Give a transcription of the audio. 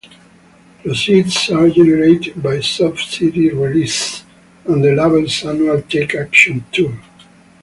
Proceeds are generated by Sub City's releases and the label's annual Take Action tour.